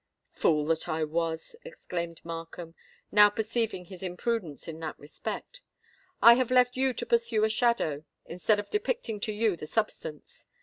"Fool that I was!" exclaimed Markham, now perceiving his imprudence in that respect: "I have left you to pursue a shadow, instead of depicting to you the substance.